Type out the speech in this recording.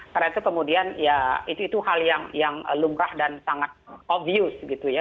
karena itu kemudian ya itu hal yang lumrah dan sangat obvious gitu ya